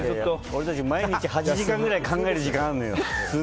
俺たち毎日８時間ぐらい考える時間あるのよ。